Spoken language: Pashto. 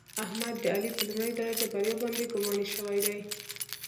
احمد د علي په لومړۍ درجه بریا باندې ګماني شوی دی.